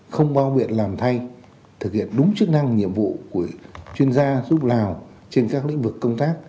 không bao biện làm thay thực hiện đúng chức năng nhiệm vụ của chuyên gia giúp lào trên các lĩnh vực công tác